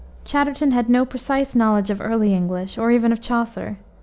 Chatterton had no precise knowledge of early English, or even of Chaucer.